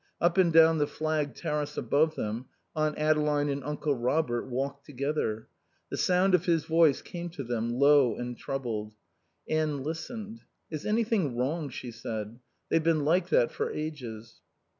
Up and down the flagged terrace above them Aunt Adeline and Uncle Robert walked together. The sound of his voice came to them, low and troubled. Anne listened, "Is anything wrong?" she said. "They've been like that for ages."